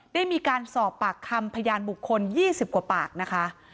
ได้มีการสอบปากคำพยานบุคคล๒๐กว่าปากนะคะ